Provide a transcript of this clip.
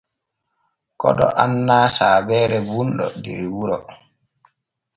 Koɗo annaa saabeere bunɗo der wuro.